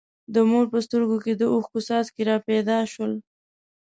د مور په سترګو کې د اوښکو څاڅکي را پیدا شول.